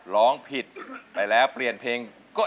ร้องผิดไปแล้วเปลี่ยนเพลง